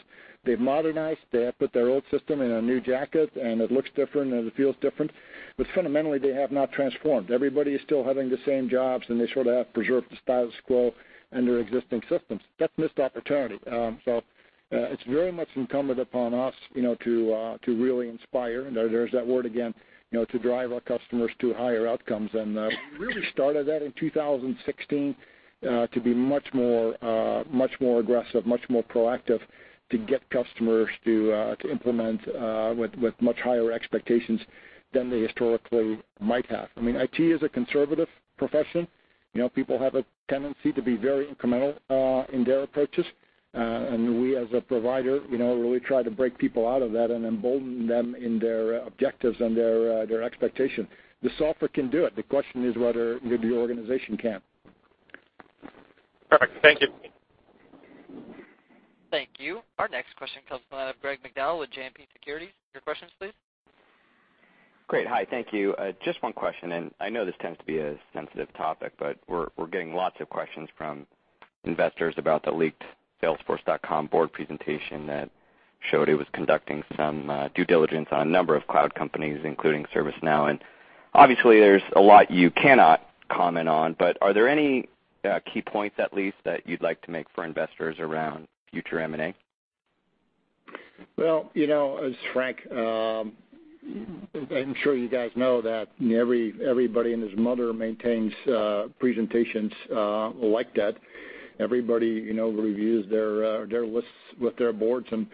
Speaker 3: they've modernized, they have put their old system in a new jacket, and it looks different, and it feels different, but fundamentally, they have not transformed. Everybody is still having the same jobs, they sort of have preserved the status quo and their existing systems. That's missed opportunity. It's very much incumbent upon us to really Inspire, there's that word again, to drive our customers to higher outcomes. We really started that in 2016 to be much more aggressive, much more proactive to get customers to implement with much higher expectations than they historically might have. IT is a conservative profession. People have a tendency to be very incremental in their approaches. We, as a provider, really try to break people out of that and embolden them in their objectives and their expectation. The software can do it. The question is whether the organization can.
Speaker 15: Perfect. Thank you.
Speaker 1: Thank you. Our next question comes from the line of Greg McDowell with JMP Securities. Your questions please.
Speaker 16: Great. Hi. Thank you. Just one question, and I know this tends to be a sensitive topic, but we're getting lots of questions from investors about the leaked salesforce.com board presentation that showed it was conducting some due diligence on a number of cloud companies, including ServiceNow. Obviously there's a lot you cannot comment on, but are there any key points at least that you'd like to make for investors around future M&A?
Speaker 3: Well, as Frank, I'm sure you guys know that everybody and his mother maintains presentations like that. Everybody reviews their lists with their boards and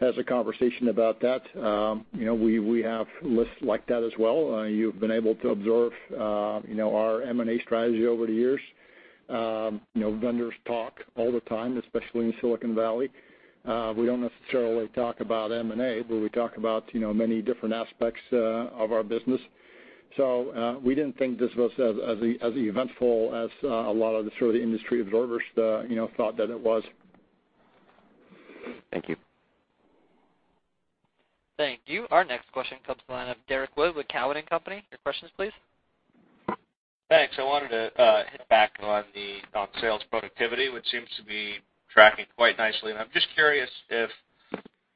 Speaker 3: has a conversation about that. We have lists like that as well. You've been able to observe our M&A strategy over the years. Vendors talk all the time, especially in Silicon Valley. We don't necessarily talk about M&A, but we talk about many different aspects of our business. We didn't think this was as eventful as a lot of the industry observers thought that it was.
Speaker 16: Thank you.
Speaker 1: Thank you. Our next question comes to the line of Derrick Wood with Cowen and Company. Your questions please.
Speaker 17: Thanks. I wanted to hit back on sales productivity, which seems to be tracking quite nicely. I'm just curious if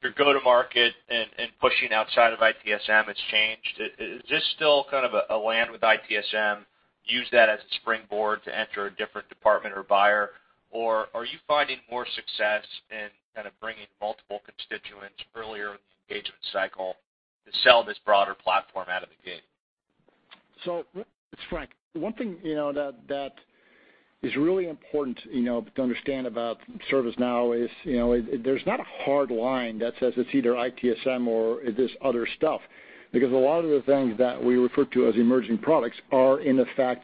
Speaker 17: your go to market and pushing outside of ITSM has changed. Is this still kind of a land with ITSM, use that as a springboard to enter a different department or buyer? Or are you finding more success in bringing multiple constituents earlier in the engagement cycle to sell this broader platform out of the gate?
Speaker 3: It's Frank. One thing that is really important to understand about ServiceNow is, there's not a hard line that says it's either ITSM or it is other stuff. Because a lot of the things that we refer to as emerging products are, in effect,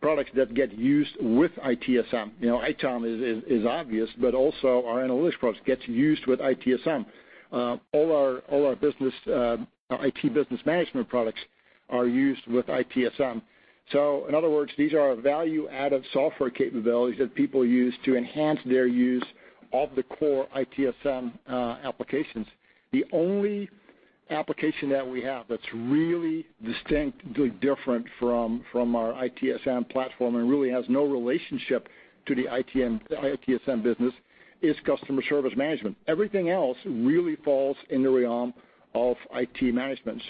Speaker 3: products that get used with ITSM. ITOM is obvious, but also our analytics products gets used with ITSM. All our IT Business Management products are used with ITSM. In other words, these are value-added software capabilities that people use to enhance their use of the core ITSM applications. The only application that we have that's really distinctly different from our ITSM platform and really has no relationship to the ITSM business is Customer Service Management. Everything else really falls in the realm of IT management.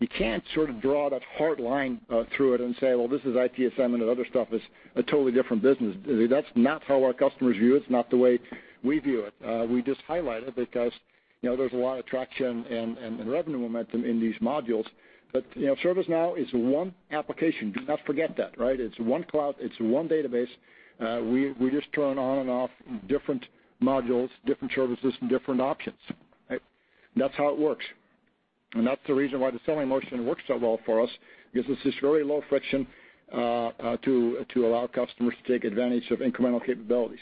Speaker 3: You can't sort of draw that hard line through it and say, well, this is ITSM, and that other stuff is a totally different business. That's not how our customers view it. It's not the way we view it. We just highlight it because there's a lot of traction and revenue momentum in these modules. ServiceNow is one application. Do not forget that, right? It's one cloud, it's one database. We just turn on and off different modules, different services, and different options. That's how it works. That's the reason why the selling motion works so well for us, because it's just very low friction to allow customers to take advantage of incremental capabilities.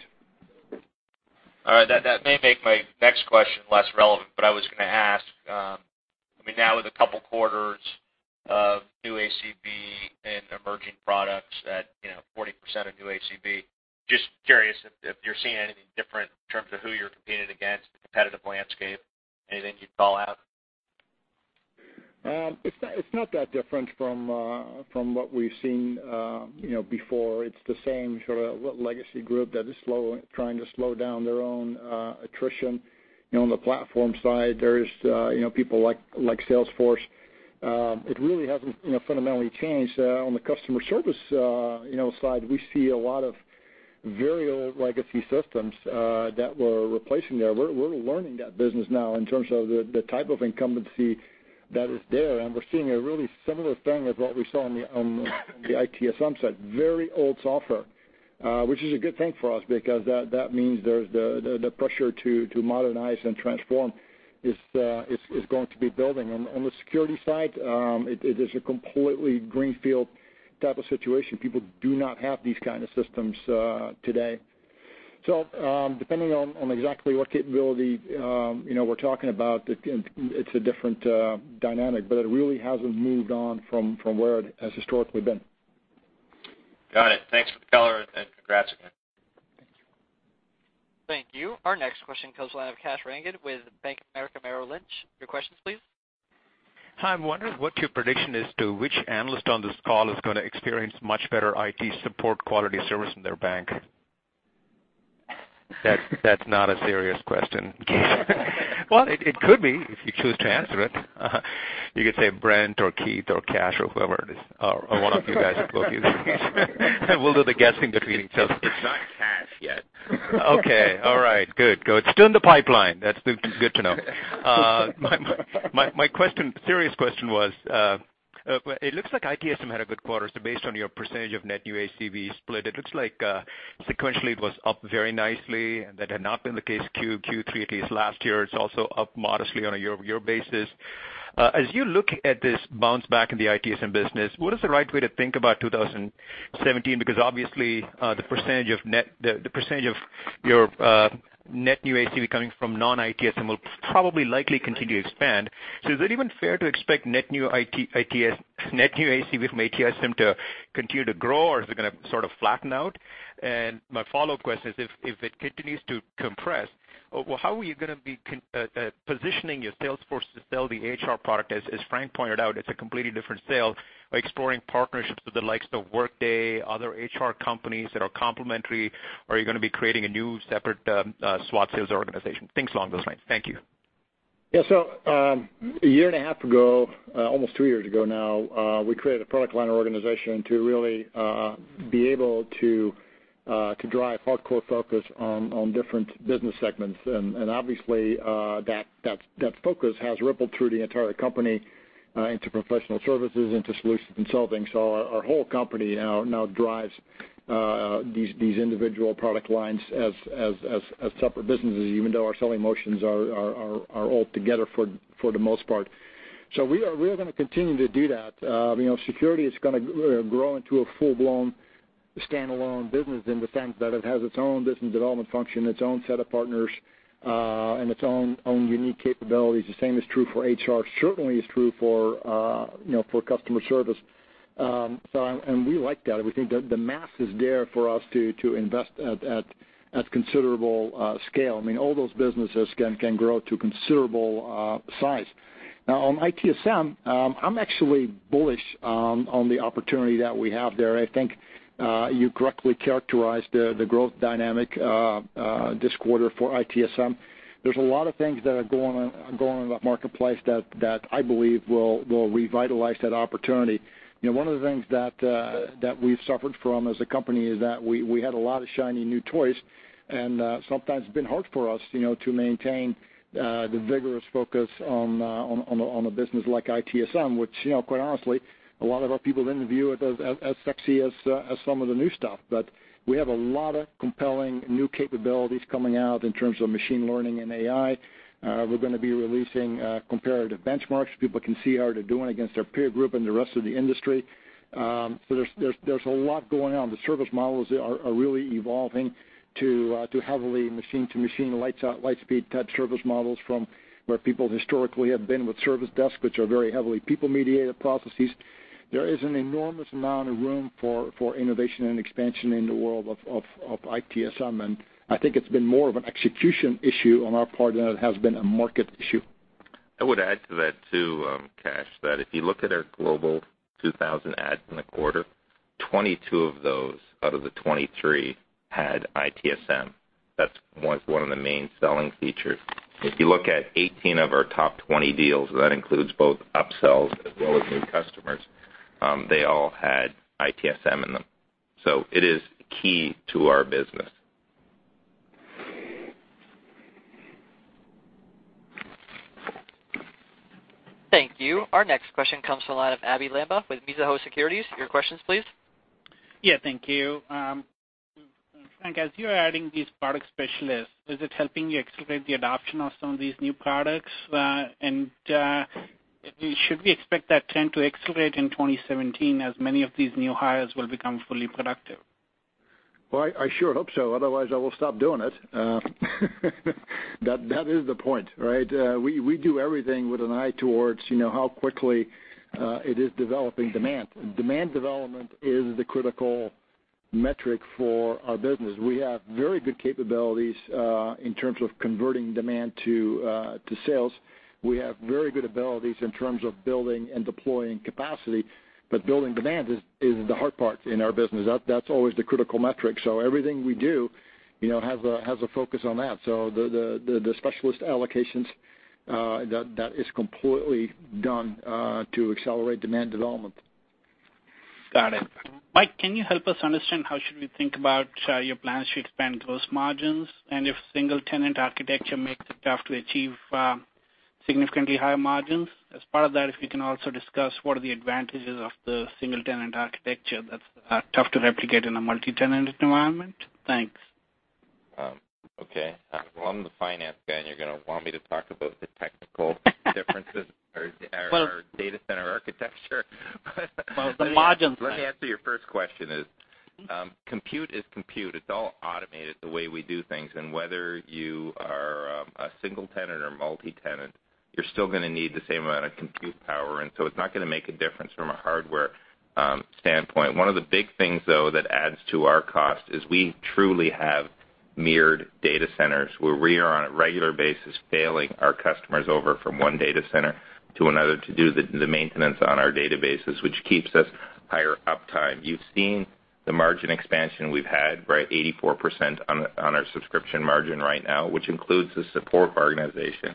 Speaker 17: All right. That may make my next question less relevant, but I was going to ask, now with a couple quarters of new ACV and emerging products at 40% of new ACV, just curious if you're seeing anything different in terms of who you're competing against, the competitive landscape, anything you'd call out?
Speaker 3: It's not that different from what we've seen before. It's the same sort of legacy group that is trying to slow down their own attrition. On the platform side, there's people like Salesforce. It really hasn't fundamentally changed. On the Customer Service side, we see a lot of very old legacy systems that we're replacing there. We're learning that business now in terms of the type of incumbency that is there, and we're seeing a really similar thing with what we saw on the ITSM side, very old software, which is a good thing for us because that means the pressure to modernize and transform is going to be building. On the security side, it is a completely greenfield type of situation. People do not have these kind of systems today. Depending on exactly what capability we're talking about, it's a different dynamic, but it really hasn't moved on from where it has historically been.
Speaker 17: Got it. Thanks for the color and congrats again.
Speaker 3: Thank you.
Speaker 1: Thank you. Our next question comes to the line of Kash Rangan with Bank of America Merrill Lynch. Your questions, please.
Speaker 18: Hi, I'm wondering what your prediction is to which analyst on this call is going to experience much better IT support quality service in their bank. That's not a serious question. Well, it could be if you choose to answer it. You could say Brent or Keith or Kash or whoever it is, or one of you guys at Goldman Sachs. We'll do the guessing between ourselves.
Speaker 17: It's not Kash yet.
Speaker 18: Okay. All right. Good. It's still in the pipeline. That's good to know. My serious question was, it looks like ITSM had a good quarter. Based on your percentage of net new ACV split, it looks like sequentially it was up very nicely, and that had not been the case Q3, at least last year. It's also up modestly on a year-over-year basis. As you look at this bounce back in the ITSM business, what is the right way to think about 2017? Obviously, the percentage of your net new ACV coming from non-ITSM will probably likely continue to expand. Is it even fair to expect net new ACV from ITSM to continue to grow, or is it going to sort of flatten out? My follow-up question is, if it continues to compress, how are you going to be positioning your sales force to sell the HR product? As Frank pointed out, it's a completely different sale. Are you exploring partnerships with the likes of Workday, other HR companies that are complementary, or are you going to be creating a new separate SWAT sales organization? Things along those lines. Thank you.
Speaker 3: Yeah. A year and a half ago, almost two years ago now, we created a product line organization to really be able to drive hardcore focus on different business segments. Obviously, that focus has rippled through the entire company into professional services, into solutions consulting. Our whole company now drives these individual product lines as separate businesses, even though our selling motions are all together for the most part. We are going to continue to do that. Security is going to grow into a full-blown standalone business in the sense that it has its own business development function, its own set of partners, and its own unique capabilities. The same is true for HR, certainly is true for Customer Service. We like that. We think that the mass is there for us to invest at considerable scale. I mean, all those businesses can grow to considerable size. Now, on ITSM, I'm actually bullish on the opportunity that we have there. I think you correctly characterized the growth dynamic this quarter for ITSM. There's a lot of things that are going on in that marketplace that I believe will revitalize that opportunity. One of the things that we've suffered from as a company is that we had a lot of shiny new toys, sometimes it's been hard for us to maintain the vigorous focus on a business like ITSM, which, quite honestly, a lot of our people didn't view it as sexy as some of the new stuff. We have a lot of compelling new capabilities coming out in terms of machine learning and AI. We're going to be releasing comparative benchmarks. People can see how they're doing against their peer group and the rest of the industry. There's a lot going on. The service models are really evolving to heavily machine-to-machine, lights out, lightspeed type service models from where people historically have been with service desks, which are very heavily people-mediated processes. There is an enormous amount of room for innovation and expansion in the world of ITSM, I think it's been more of an execution issue on our part than it has been a market issue.
Speaker 2: I would add to that, too, Kash, that if you look at our Global 2000 adds in the quarter, 22 of those out of the 23 had ITSM. That's one of the main selling features. If you look at 18 of our top 20 deals, that includes both upsells as well as new customers, they all had ITSM in them. It is key to our business.
Speaker 1: Thank you. Our next question comes from the line of Abhey Lamba with Mizuho Securities. Your questions, please.
Speaker 19: Yeah, thank you. Frank, as you're adding these product specialists, is it helping you accelerate the adoption of some of these new products? Should we expect that trend to accelerate in 2017, as many of these new hires will become fully productive?
Speaker 3: Well, I sure hope so. Otherwise, I will stop doing it. That is the point, right? We do everything with an eye towards how quickly it is developing demand. Demand development is the critical metric for our business. We have very good capabilities in terms of converting demand to sales. We have very good abilities in terms of building and deploying capacity, but building demand is the hard part in our business. That's always the critical metric. Everything we do has a focus on that. The specialist allocations, that is completely done to accelerate demand development.
Speaker 19: Got it. Mike, can you help us understand how should we think about your plans to expand gross margins, and if single-tenant architecture makes it tough to achieve significantly higher margins? As part of that, if you can also discuss what are the advantages of the single-tenant architecture that's tough to replicate in a multi-tenant environment? Thanks.
Speaker 2: Okay. Well, I'm the finance guy, and you're going to want me to talk about the differences of our data center architecture.
Speaker 19: Well, the margins then.
Speaker 2: Let me answer your first question is, compute is compute. It's all automated the way we do things. Whether you are a single-tenant or multi-tenant, you're still going to need the same amount of compute power, so it's not going to make a difference from a hardware standpoint. One of the big things, though, that adds to our cost is we truly have mirrored data centers where we are on a regular basis failing our customers over from one data center to another to do the maintenance on our databases, which keeps us higher uptime. You've seen the margin expansion we've had, right, 84% on our subscription margin right now, which includes the support organization.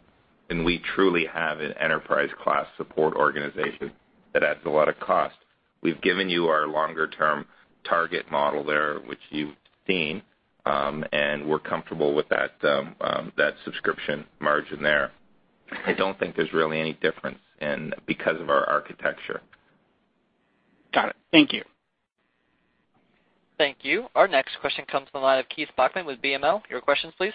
Speaker 2: We truly have an enterprise-class support organization that adds a lot of cost. We've given you our longer-term target model there, which you've seen. We're comfortable with that subscription margin there. I don't think there's really any difference because of our architecture.
Speaker 19: Got it. Thank you.
Speaker 1: Thank you. Our next question comes from the line of Keith Bachman with BMO. Your questions, please.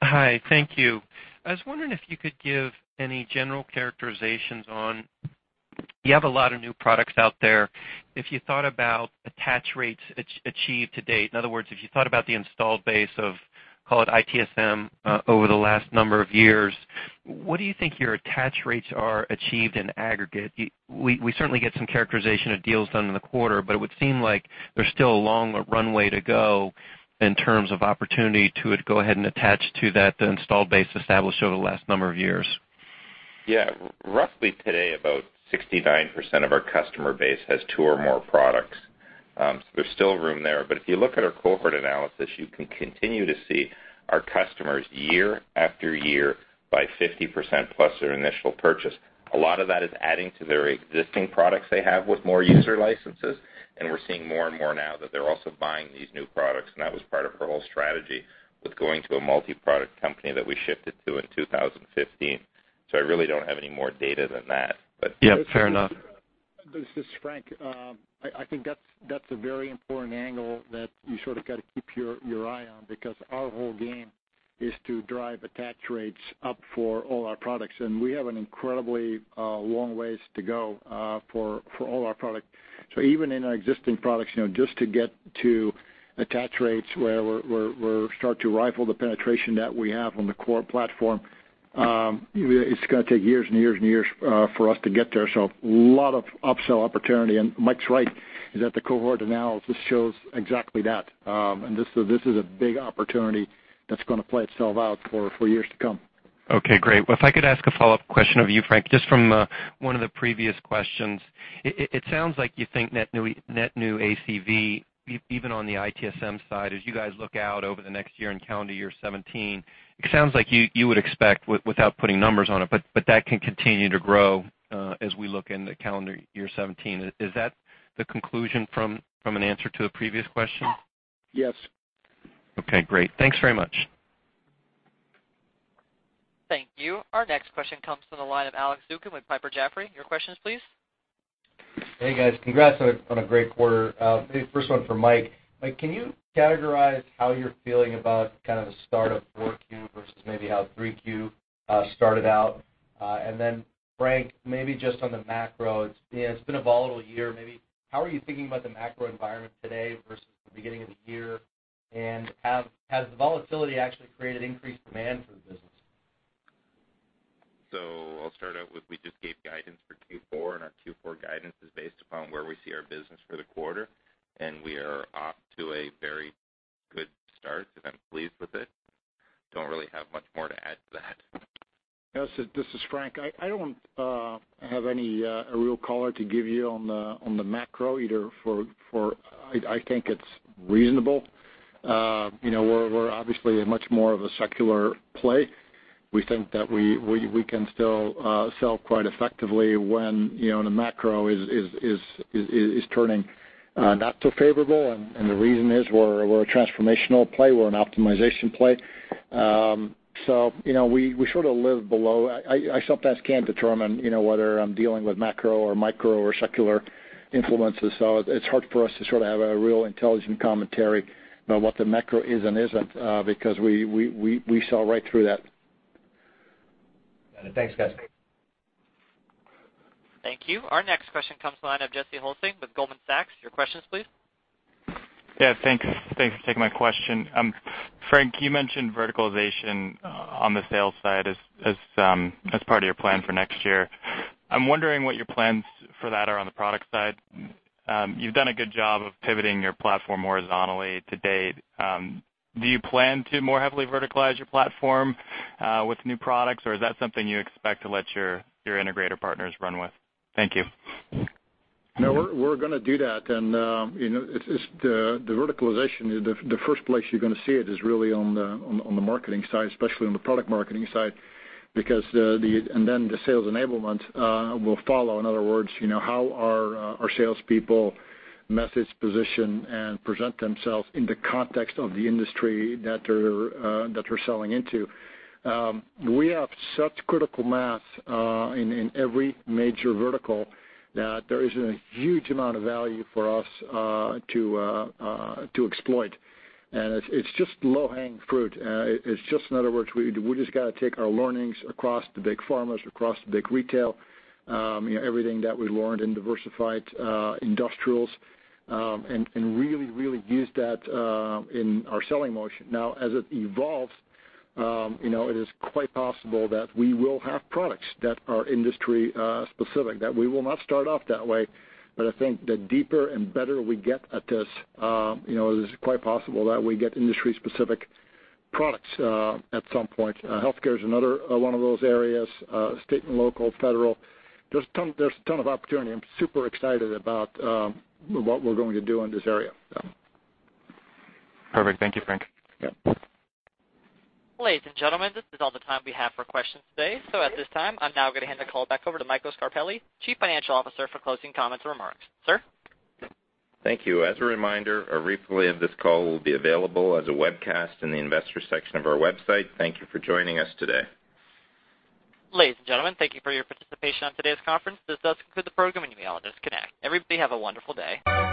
Speaker 20: Hi. Thank you. I was wondering if you could give any general characterizations. You have a lot of new products out there. If you thought about attach rates achieved to date, in other words, if you thought about the installed base of, call it ITSM over the last number of years, what do you think your attach rates are achieved in aggregate? We certainly get some characterization of deals done in the quarter, but it would seem like there's still a long runway to go in terms of opportunity to go ahead and attach to that installed base established over the last number of years.
Speaker 2: Yeah. Roughly today, about 69% of our customer base has two or more products. There's still room there. If you look at our cohort analysis, you can continue to see our customers year after year buy 50% plus their initial purchase. A lot of that is adding to their existing products they have with more user licenses. We're seeing more and more now that they're also buying these new products. That was part of our whole strategy with going to a multi-product company that we shifted to in 2015. I really don't have any more data than that.
Speaker 20: Yeah, fair enough.
Speaker 3: This is Frank. I think that's a very important angle that you sort of got to keep your eye on because our whole game is to drive attach rates up for all our products, and we have an incredibly long ways to go for all our products. Even in our existing products, just to get to attach rates where we're starting to rival the penetration that we have on the core platform. It's going to take years and years and years for us to get there. A lot of upsell opportunity. Mike's right, is that the cohort analysis shows exactly that. This is a big opportunity that's going to play itself out for years to come.
Speaker 20: Okay, great. If I could ask a follow-up question of you, Frank, just from one of the previous questions. It sounds like you think net new ACV, even on the ITSM side, as you guys look out over the next year in calendar year 2017, it sounds like you would expect, without putting numbers on it, that can continue to grow as we look into calendar year 2017. Is that the conclusion from an answer to a previous question?
Speaker 3: Yes.
Speaker 20: Okay, great. Thanks very much.
Speaker 1: Thank you. Our next question comes from the line of Alex Zukin with Piper Jaffray. Your questions, please.
Speaker 21: Hey, guys. Congrats on a great quarter. Maybe the first one for Mike. Mike, can you categorize how you're feeling about kind of the start of 4Q versus maybe how 3Q started out? Frank, maybe just on the macro. It's been a volatile year, maybe how are you thinking about the macro environment today versus the beginning of the year? Has the volatility actually created increased demand for the business?
Speaker 2: I'll start out with, we just gave guidance for Q4. Our Q4 guidance is based upon where we see our business for the quarter. We are off to a very good start. I'm pleased with it. Don't really have much more to add to that.
Speaker 3: Yes, this is Frank. I don't have any real color to give you on the macro either. I think it's reasonable. We're obviously a much more of a secular play. We think that we can still sell quite effectively when the macro is turning not too favorable. The reason is we're a transformational play, we're an optimization play. We sort of live below. I sometimes can't determine whether I'm dealing with macro or micro or secular influences. It's hard for us to sort of have a real intelligent commentary about what the macro is and isn't, because we saw right through that.
Speaker 21: Got it. Thanks, guys.
Speaker 1: Thank you. Our next question comes to the line of Jesse Hulsing with Goldman Sachs. Your questions, please.
Speaker 22: Yeah, thanks for taking my question. Frank, you mentioned verticalization on the sales side as part of your plan for next year. I'm wondering what your plans for that are on the product side. You've done a good job of pivoting your platform horizontally to date. Do you plan to more heavily verticalize your platform with new products, or is that something you expect to let your integrator partners run with? Thank you.
Speaker 3: No, we're going to do that. The verticalization, the first place you're going to see it is really on the marketing side, especially on the product marketing side, and then the sales enablement will follow. In other words, how are our salespeople message, position, and present themselves in the context of the industry that they're selling into? We have such critical mass in every major vertical that there is a huge amount of value for us to exploit. It's just low-hanging fruit. It's just, in other words, we just got to take our learnings across the big pharmas, across the big retail, everything that we learned in diversified industrials, and really, really use that in our selling motion. Now, as it evolves, it is quite possible that we will have products that are industry-specific. We will not start off that way, I think the deeper and better we get at this, it is quite possible that we get industry-specific products at some point. Healthcare is another one of those areas. State and local, federal. There is a ton of opportunity. I am super excited about what we are going to do in this area, yeah.
Speaker 22: Perfect. Thank you, Frank.
Speaker 3: Yeah.
Speaker 1: Ladies and gentlemen, this is all the time we have for questions today. At this time, I am now going to hand the call back over to Michael Scarpelli, Chief Financial Officer, for closing comments and remarks. Sir?
Speaker 2: Thank you. As a reminder, a replay of this call will be available as a webcast in the Investors section of our website. Thank you for joining us today.
Speaker 1: Ladies and gentlemen, thank you for your participation on today's conference. This does conclude the program, and you may all disconnect. Everybody, have a wonderful day.